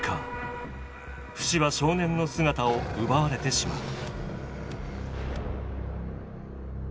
フシは少年の姿を奪われてしまう。